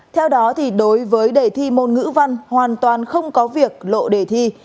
theo đó đối với đề thi môn ngữ văn hoàn toàn không có việc lộ đề thi